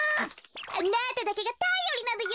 あなただけがたよりなのよ。